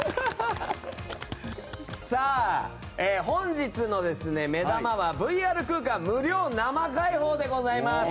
本日の目玉はＶＲ空間無料生開放でございます。